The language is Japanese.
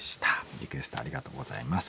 リクエストありがとうございます。